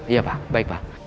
iya pak baik pak